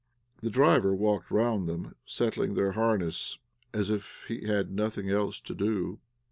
The driver walked round them, settling their harness, as if he had nothing else to do.